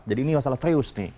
jadi ini masalah serius nih